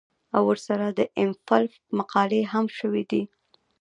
او ورسره د ايم فل مقالې هم شوې دي